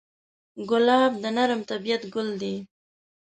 ګلاب د نرم طبعیت ګل دی.